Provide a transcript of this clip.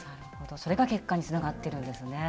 それが結果につながってるんですね。